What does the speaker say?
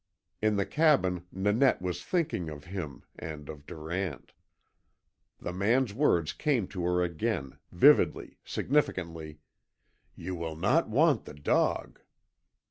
In the cabin Nanette was thinking of him and of Durant. The man's words came to her again, vividly, significantly: "YOU WILL NOT WANT THE DOG."